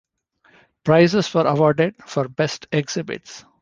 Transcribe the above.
Prizes were awarded for best exhibits.